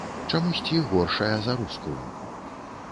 Чамусьці горшая за рускую.